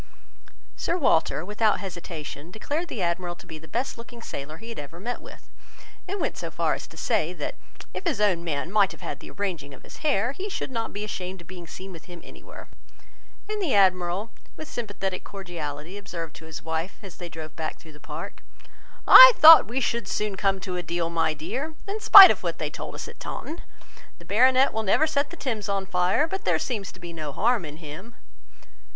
Sir Walter, without hesitation, declared the Admiral to be the best looking sailor he had ever met with, and went so far as to say, that if his own man might have had the arranging of his hair, he should not be ashamed of being seen with him any where; and the Admiral, with sympathetic cordiality, observed to his wife as they drove back through the park, "I thought we should soon come to a deal, my dear, in spite of what they told us at Taunton. The Baronet will never set the Thames on fire, but there seems to be no harm in him."